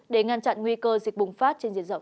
để ngăn chặn nguy cơ dịch bùng phát trên diện rộng